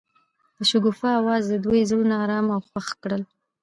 د شګوفه اواز د دوی زړونه ارامه او خوښ کړل.